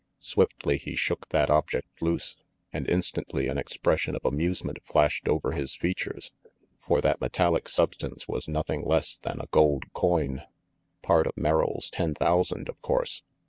Swiftly he shook that object loose, and instantly an expression of amusement flashed over his features, for that metallic substance was nothing less than a gold coin. Part of Merrill's ten thousand, of course!